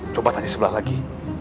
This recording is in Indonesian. coba tanya sebelah lagi